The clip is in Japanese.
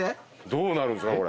どうなるんすか？